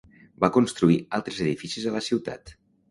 Va construir altres edificis a la ciutat.